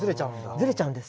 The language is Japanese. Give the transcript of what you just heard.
ずれちゃうんです。